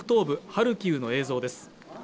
ハルキウの映像です